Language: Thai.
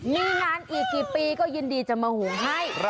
มีงานอีกกี่ปีก็ยินดีจะมาหุงให้